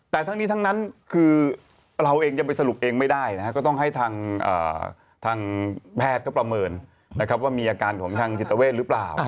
แต่ทั้งนี้ทั้งนั้นคือเราเองยังไปสรุปเองไม่ได้นะฮะก็ต้องให้ทางแพทย์ก็ประเมินนะครับว่ามีอาการของทางจิตเวทหรือเปล่า